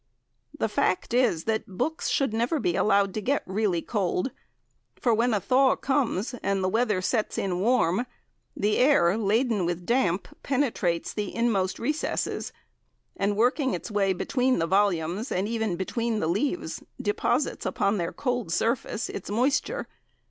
The fact is that books should never be allowed to get really cold, for when a thaw comes and the weather sets in warm, the air, laden with damp, penetrates the inmost recesses, and working its way between the volumes and even between the leaves, deposits upon their cold surface its moisture.